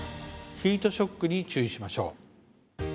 ヒートショックに注意しましょう。